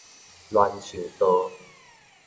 欒樹道